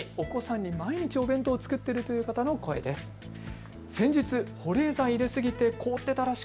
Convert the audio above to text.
最後にお子さんに毎日、お弁当を作っている方の声です。